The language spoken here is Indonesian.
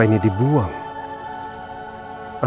saya sudah berjaga jaga